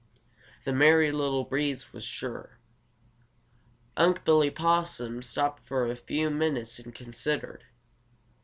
The Merry Little Breeze was sure. Unc' Billy Possum stopped for a few minutes and considered.